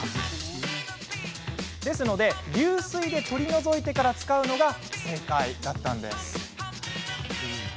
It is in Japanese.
ですので流水で取り除いてから使うのが正解だったんです。